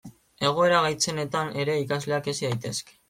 Egoera gaitzenetan ere ikasleak hezi daitezke.